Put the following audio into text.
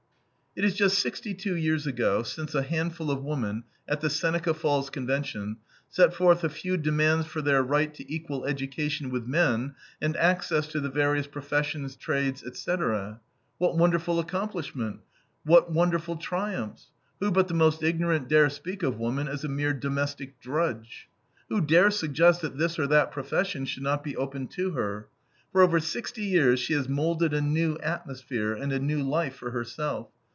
It is just sixty two years ago since a handful of women at the Seneca Falls Convention set forth a few demands for their right to equal education with men, and access to the various professions, trades, etc. What wonderful accomplishment, what wonderful triumphs! Who but the most ignorant dare speak of woman as a mere domestic drudge? Who dare suggest that this or that profession should not be open to her? For over sixty years she has molded a new atmosphere and a new life for herself.